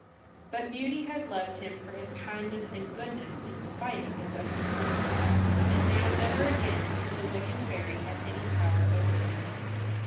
But Beauty had loved him for his kindness and goodness in spite of his ugly form, and now never again could the wicked fairy have any power over him.